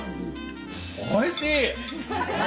おいしい！